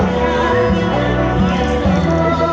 สวัสดีครับ